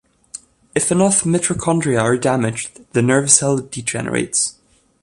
If enough mitochondria are damaged, the nerve cell degenerates.